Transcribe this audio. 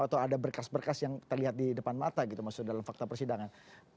atau ada berkas berkas yang terlihat di depan mata gitu maksudnya dalam fakta persidangan